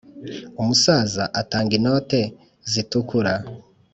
umusaza atanga inote zitukura.